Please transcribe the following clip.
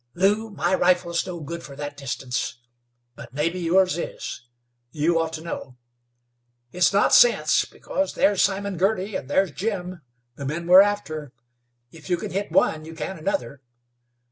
"Lew, my rifle's no good fer that distance. But mebbe yours is. You ought to know. It's not sense, because there's Simon Girty, and there's Jim, the men we're after. If you can hit one, you can another.